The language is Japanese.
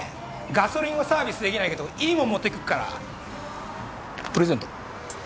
ガソリンはサービスできないけどいいもん持ってくっからプレゼント